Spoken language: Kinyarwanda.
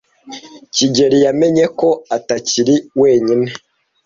kigeli yamenye ko atakiri wenyine.